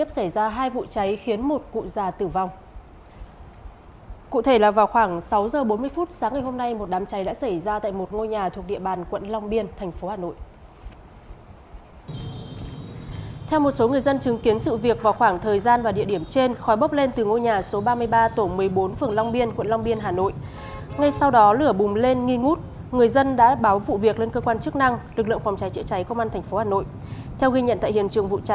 xin chào và hẹn gặp lại trong các bộ phim tiếp theo